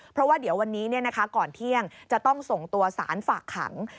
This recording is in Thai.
เพราะว่าเดี๋ยววันนี้ก่อนเที่ยงจะต้องส่งตัวสารฝากขัง